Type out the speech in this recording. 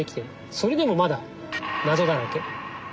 それでもまだ謎だらけ。